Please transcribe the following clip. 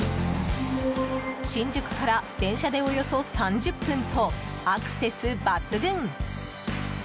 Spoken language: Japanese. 新宿から電車でおよそ３０分とアクセス抜群。